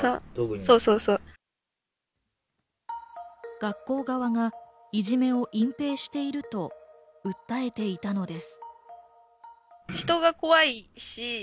学校側がいじめを隠蔽していると訴えていたのです。